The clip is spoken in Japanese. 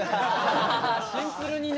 シンプルにね。